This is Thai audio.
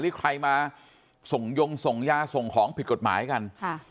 นี่ใครมาส่งยงส่งยาส่งของผิดกฎหมายกัน